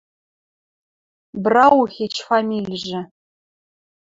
Браухич фамильжӹ.